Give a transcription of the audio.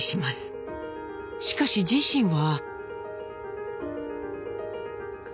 しかし自身は。